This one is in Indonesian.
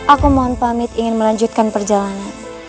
aku mohon pamit ingin melanjutkan perjalanan